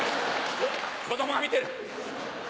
子供が見てる！